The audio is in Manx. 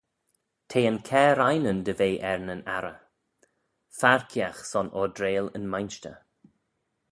T'eh yn cair ainyn dy ve er nyn arrey, farkiagh son ordrail yn Mainshter.